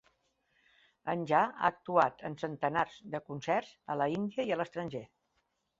Anjan ha actuat en centenars de concerts a l'Índia i a l'estranger.